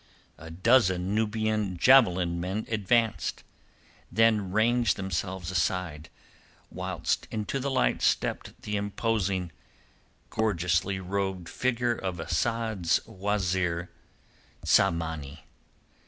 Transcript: A dozen Nubian javelin men advanced, then ranged themselves aside whilst into the light stepped the imposing, gorgeously robed figure of Asad's wazeer, Tsamanni.